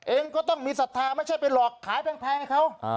เองก็ต้องมีศรัทธาไม่ใช่ไปหลอกขายแพงให้เขา